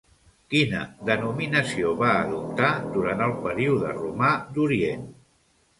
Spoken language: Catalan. Quina denominació va adoptar durant el període romà d'Orient?